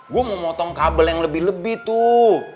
gue mau motong kabel yang lebih lebih tuh